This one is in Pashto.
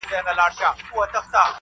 او اميدواره کيږي ژر